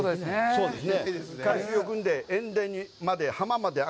そうですね。